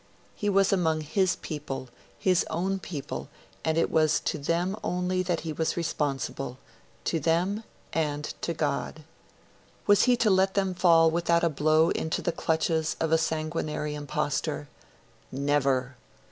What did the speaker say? He was among his people his own people, and it was to them only that he was responsible to them, and to God. Was he to let them fall without a blow into the clutches of a sanguinary impostor? Never!